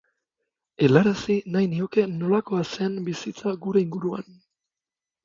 Helarazi nahi nioke nolakoa zen bizitza gure inguruan.